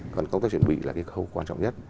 còn công tác chuẩn bị là cái khâu quan trọng nhất